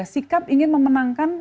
sikap ingin memenangkan